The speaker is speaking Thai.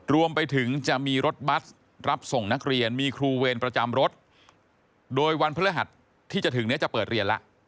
รวมไปถึงจะมีรถบัสรับส่งนักเรียนมีครูเวรประจำรถโดยวันพฤหัสที่จะถึงเนี่ยจะเปิดเรียนแล้ว